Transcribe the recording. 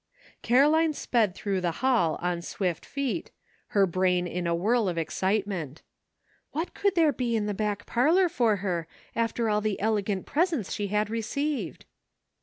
Caroline sped through the hall on swift feet, her brain in a whirl of wonderment. " What could there be in the back parlor for her, after all the elegant presents she had received